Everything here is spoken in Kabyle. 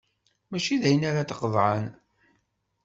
Mačči d ayen ara d-qaḍɛen.